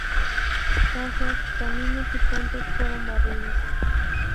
Casas, caminos y puentes fueron barridos.